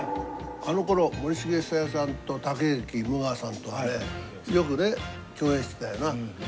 あのころ森繁久彌さんと竹脇無我さんとねよくね共演してたよな。